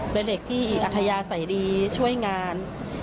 เป็นเด็กที่อัธยาศัยดีช่วยงาน